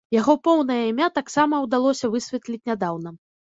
Яго поўнае імя таксама ўдалося высветліць нядаўна.